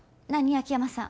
秋山さん。